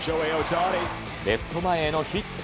レフト前へのヒット。